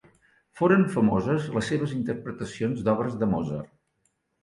Foren famoses les seves interpretacions d'obres de Mozart.